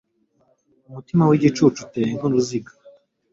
umutima w'igicucu uteye nk'uruziga